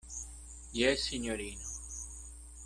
Jes, sinjorino.